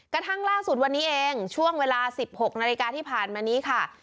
กระทั่งล่าสุดวันนี้เองช่วงเวลา๑๖นาฬิกาที่ผ่านมานี้ค่ะ